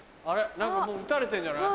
何かもう撃たれてんじゃない？